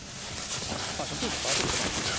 まあ植物を育てる事なんですよ。